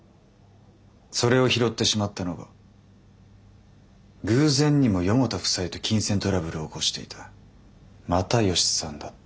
それを拾ってしまったのが偶然にも四方田夫妻と金銭トラブルを起こしていた又吉さんだった。